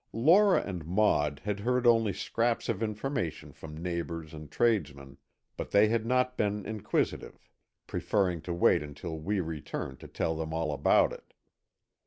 Lora and Maud had heard only scraps of information from neighbours and tradesmen, but they had not been inquisitive, preferring to wait until we returned to tell them all about it.